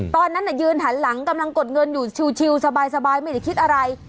ตอนนั้นยืนหันหลังกำลังกดเงินอยู่ชิลสบายไม่ได้คิดอะไร